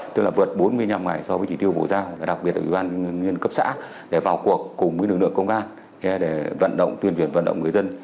tức là vượt bốn mươi năm ngày so với chỉ tiêu bổ ra đặc biệt là các cấp xã để vào cuộc cùng với lực lượng công an để vận động tuyên truyền vận động người dân